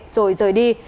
rồi rời đi